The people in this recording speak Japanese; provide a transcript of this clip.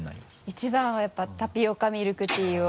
一番はやっぱタピオカミルクティーを。